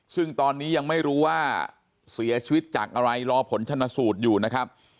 ซึ่งตอนนี้ยังไม่รู้ว่าเสียชีวิตจากอะไรรอผลชนสูตรอยู่นะครับ